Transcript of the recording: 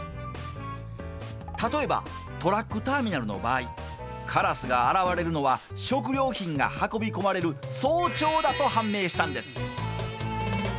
例えばトラックターミナルの場合からすが現れるのは食料品が運び込まれる早朝だと判明したんです。